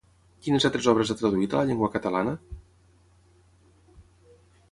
Quines altres obres ha traduït a la llengua catalana?